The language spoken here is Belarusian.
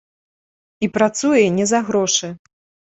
І працуе не за грошы.